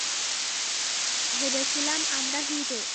ভেবেছিলাম আমরা হিরো।